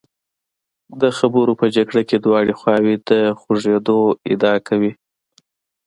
د خبرو په جګړه کې دواړه خواوې د خوږېدو ادعا کوي.